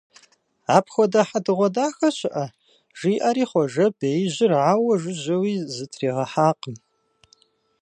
Апхуэдэ хьэдэгъуэдахэ щыӀэ! - жиӀэри, Хъуэжэ беижьыр ауэ жыжьэуи зытригъэхьакъым.